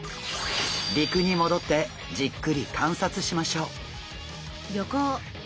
陸に戻ってじっくり観察しましょう。